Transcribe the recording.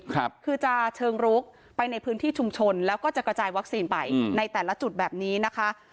คือจะเชิงลุกไปในพื้นที่ชุมชนแล้วก็จะกระจายวัคซีนไปในแต่ละจุดแบบนี้นะคะ